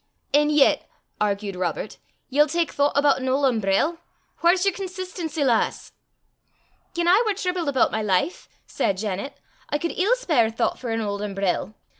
"An' yet," argued Robert, "ye'll tak thoucht aboot an auld umbrell? Whaur's yer consistency, lass?" "Gien I war tribled aboot my life," said Janet, "I cud ill spare thoucht for an auld umbrell.